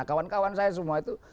kawan kawan saya semua itu